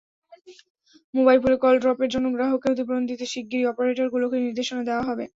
Mobile ফোনে কলড্রপের জন্য গ্রাহককে ক্ষতিপূরণ দিতে শিগগিরই অপারেটরগুলোকে নির্দেশনা দেওয়া হবে।